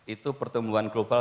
itu pertumbuhan global